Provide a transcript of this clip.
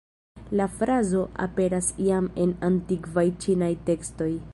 La frazo aperas jam en antikvaj ĉinaj tekstoj.